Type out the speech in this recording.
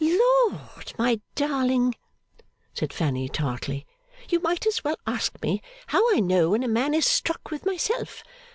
'Lord, my darling,' said Fanny, tartly. 'You might as well ask me how I know when a man is struck with myself!